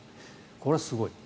これはすごい。